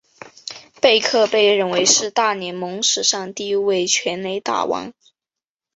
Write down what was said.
贝克被认为是大联盟史上第一位全垒打王。